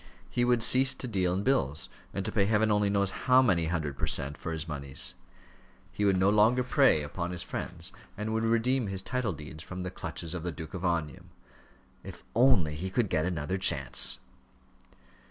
He would cease to deal in bills, and to pay heaven only knows how many hundred per cent. for his moneys. He would no longer prey upon his friends, and would redeem his title deeds from the clutches of the Duke of Omnium. If only he could get another chance!